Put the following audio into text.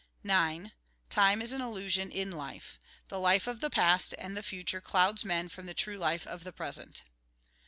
9. Time is an illusion in life ; the life of the past and the future clouds men from the true life of the present.